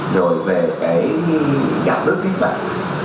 rồi về cái đảng ước kích mạng